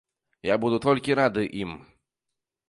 Я буду толькі рады ім.